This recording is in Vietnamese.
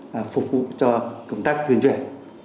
và phục vụ cho công tác tuyển truyền